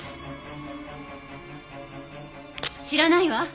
知らないわ。